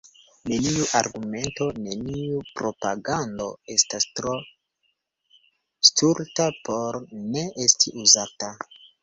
Neniu argumento, neniu propagando estas tro stulta por ne esti uzata.